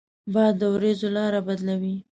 باد د ورېځو لاره بدلوي